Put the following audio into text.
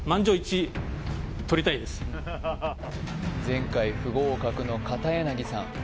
前回不合格の片柳さん